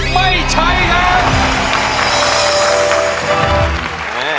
ไม่ใช้ครับ